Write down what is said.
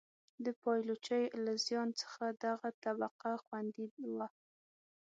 د پایلوچۍ له زیان څخه دغه طبقه خوندي وه.